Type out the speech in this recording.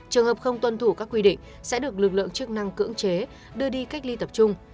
trường hợp không tuân thủ các quy định sẽ được lực lượng chức năng cưỡng chế đưa đi cách ly tập trung